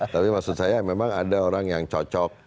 tapi maksud saya memang ada orang yang cocok